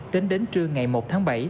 tính đến trưa ngày một tháng bảy